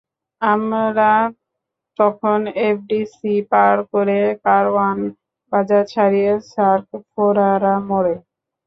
আমরা তখন এফডিসি পার হয়ে কারওয়ান বাজার ছাড়িয়ে সার্ক ফোয়ারা মোড়ে।